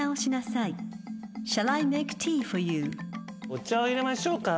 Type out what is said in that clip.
「お茶をいれましょうか？」